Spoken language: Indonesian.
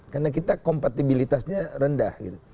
karena kita kompatibilitasnya rendah